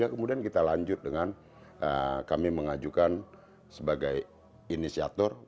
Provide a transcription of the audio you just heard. kemudian kita lanjut dengan kami mengajukan sebagai inisiator